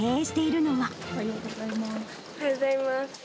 おはようございます。